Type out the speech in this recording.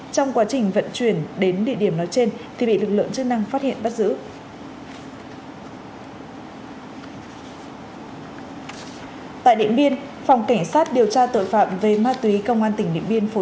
trong quá trình vận chuyển đến địa điểm nói trên thì bị lực lượng chức năng phát hiện bắt giữ